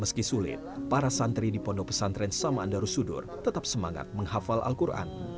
meski sulit para santri di pondo pesantren samaandaru sudur tetap semangat menghafal al quran